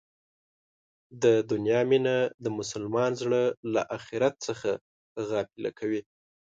د دنیا مینه د مسلمان زړه له اخرت نه غافله کوي.